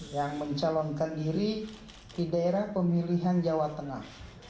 yang mencalonkan diri di daerah pemilihan jawa tengah